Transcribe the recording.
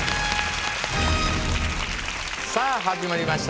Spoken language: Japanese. さあ始まりました